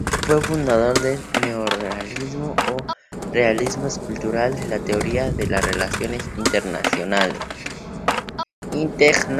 Fue fundador del neorrealismo, o realismo estructural, en la teoría de las relaciones internacionales.